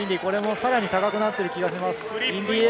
さらに高くなっている気がします。